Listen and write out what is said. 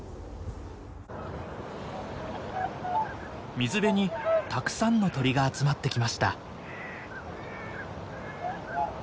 水辺にたくさんの鳥が集まってきました。